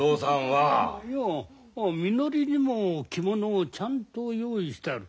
いやみのりにも着物をちゃんと用意してやる。